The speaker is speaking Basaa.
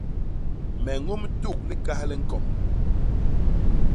Me ñôm tuk likas li ñkoñ.